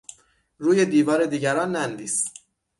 روی دیوار دیگران ننویس.